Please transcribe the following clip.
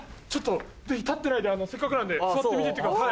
ぜひ立ってないでせっかくなんで座って見てってください。